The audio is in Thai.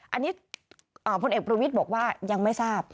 อันนี้พลเอกประวิทย์บอกว่ายังไม่ทราบ